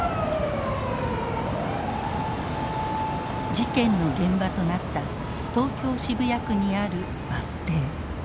事件の現場となった東京・渋谷区にあるバス停。